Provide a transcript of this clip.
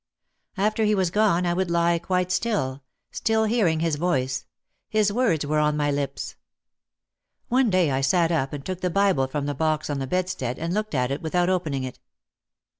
After he was gone I would lie quite still, still hearing his voice ; his words were on my lips. One day I sat up and took the Bible from the box in the bedstead and looked at it without opening it.